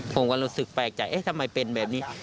ผมก็รู้สึกแปลกใจเอ๊ะทำไมเป็นแบบนี้